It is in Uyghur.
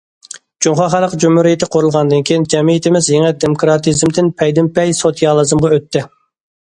جۇڭخۇا خەلق جۇمھۇرىيىتى قۇرۇلغاندىن كېيىن، جەمئىيىتىمىز يېڭى دېموكراتىزمدىن پەيدىنپەي سوتسىيالىزمغا ئۆتتى.